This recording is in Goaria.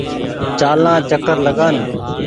چآلآن چڪر لگآن ۔